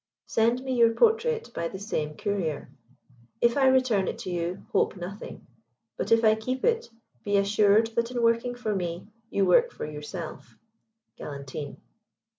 Send me your portrait by the same courier. If I return it to you, hope nothing; but if I keep it, be assured that in working for me you work for yourself. GALANTINE."